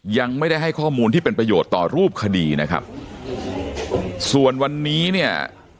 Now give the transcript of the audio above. ยังไม่ได้ให้ข้อมูลที่เป็นประโยชน์ต่อรูปคดีนะครับส่วนวันนี้เนี่ย